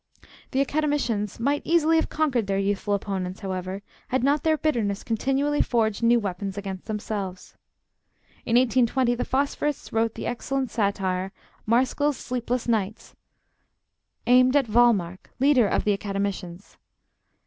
The Academicians might easily have conquered their youthful opponents, however, had not their bitterness continually forged new weapons against themselves. In 1820 the Phosphorists wrote the excellent satire, 'Marskall's Sleepless Nights,' aimed at Wallmark, leader of the Academicians.